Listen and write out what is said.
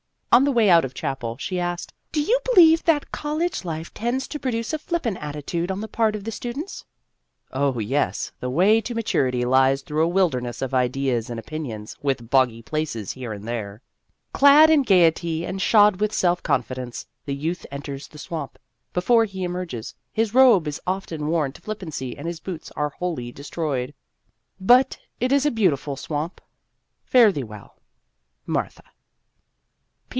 On the way out of chapel, she asked, " Do you believe that college life tends to produce a flippant attitude on the part of the students ?" Oh, yes. The way to maturity lies through a wilderness of ideas and opinions, with boggy places here and there. Clad in gayety and shod with self confidence, the youth enters the swamp ; before he emerges, his robe is often worn to flippancy and his boots are wholly destroyed. But it is a beautiful swamp. Fare thee well. MARTHA.